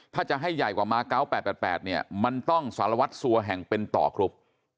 ถ้าจะให้ใหญ่กว่ามา๙๘๘เนี่ยมันต้องสารวัตรสัวแห่งเป็นต่อกรุ๊ป